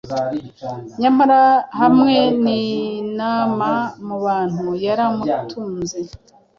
Nyamara hamwe ninama mubantu yaramutunze